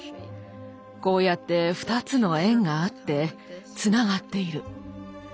こうやって２つの円があってつながっている。